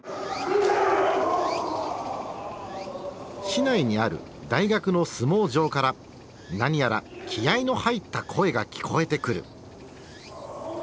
市内にある大学の相撲場から何やら気合いの入った声が聞こえてくる。